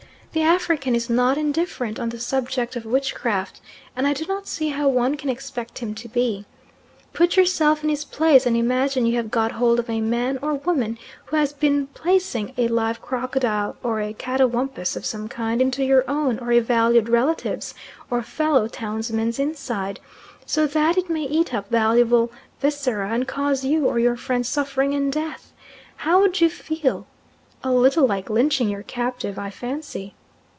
The African is not indifferent on the subject of witchcraft, and I do not see how one can expect him to be. Put yourself in his place and imagine you have got hold of a man or woman who has been placing a live crocodile or a catawumpus of some kind into your own or a valued relative's, or fellow townsman's inside, so that it may eat up valuable viscera, and cause you or your friend suffering and death. How would you feel? A little like lynching your captive, I fancy.